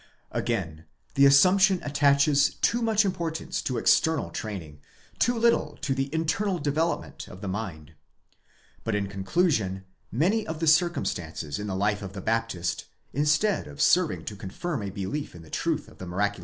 Again, the assumption attaches too much importance to external training, too little to the internal development of the mind. But in conclusion, many of the circumstances in the life of the Baptist, instead of serving to confirm a belief 16 Binder, Studien der evang.